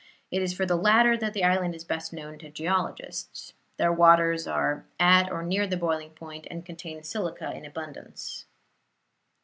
It is for the latter that the island is best known to geologists. Their waters are at or near the boiling point and contain silica in abundance.